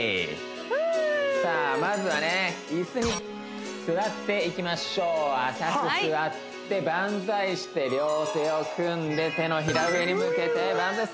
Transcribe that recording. さあまずはね椅子に座っていきましょう浅く座ってバンザイして両手を組んで手のひら上に向けてバンザイ